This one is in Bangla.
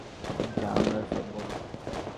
চাচা, আমরা সব বলবো।